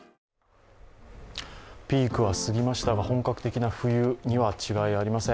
ピークは過ぎましたが本格的な冬には違いありません。